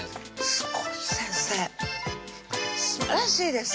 すごい先生すばらしいです